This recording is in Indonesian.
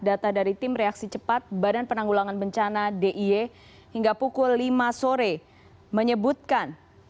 data dari tim reaksi cepat badan penanggulangan bencana dia hingga pukul lima sore menyebutkan